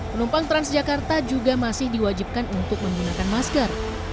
penumpang transjakarta juga masih diwajibkan untuk menggunakan masker